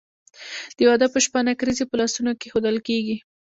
د واده په شپه نکریزې په لاسونو کیښودل کیږي.